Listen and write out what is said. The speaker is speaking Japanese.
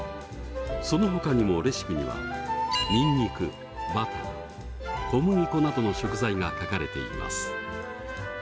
そのほかにもレシピにはにんにくバター小麦粉などの食材が書かれています。